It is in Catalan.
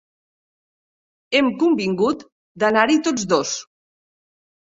Hem convingut d'anar-hi tots dos.